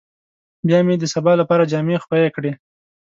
بيا مې د سبا لپاره جامې خويې کړې.